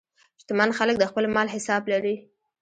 شتمن خلک د خپل مال حساب لري.